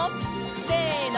せの！